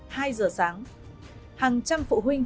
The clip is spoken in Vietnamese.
hai h sáng hàng trăm phụ huynh